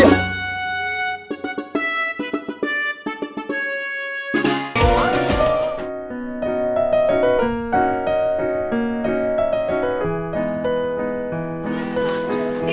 papi tuntut dia